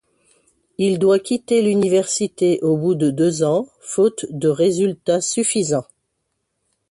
Il doit quitter l'université au bout de deux ans, faute de résultats suffisants.